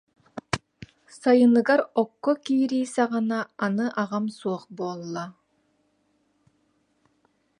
Сайыныгар, окко киирии саҕана, аны аҕам суох буолла